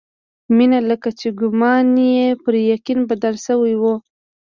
مينه لکه چې ګومان يې پر يقين بدل شوی و.